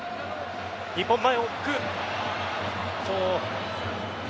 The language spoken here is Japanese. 日本、前を向く。